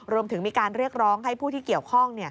รวมถึงมีการเรียกร้องให้ผู้ที่เกี่ยวข้อง